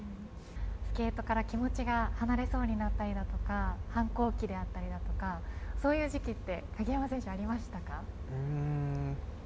スケートから気持ちが離れそうになったりだとか反抗期であったりだとかそういう時期って鍵山選手ありましたか？